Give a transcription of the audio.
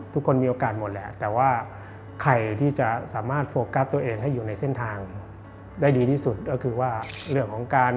ทุกคนมีโอกาสหมดแต่ว่าใครที่จะสามารถโฟกัสตัวเอง